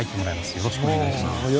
よろしくお願いします。